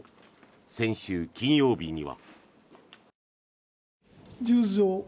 先週金曜日には。